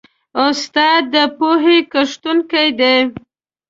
استاد د پوهې کښتونکی دی.